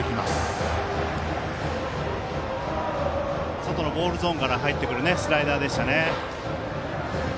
外のボールゾーンから入ってくるスライダーでしたね。